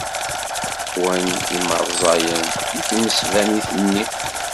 Qwan imerẓayen deg tmesbanit-nni.